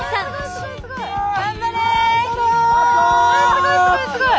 すごいすごいすごい！